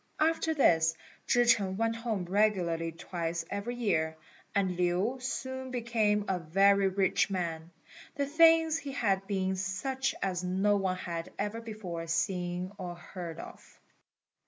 After this, Chih ch'eng went home regularly twice every year, and Lin soon became a very rich man, the things he had being such as no one had ever before seen or heard of.